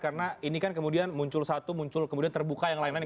karena ini kan kemudian muncul satu muncul kemudian terbuka yang lain lain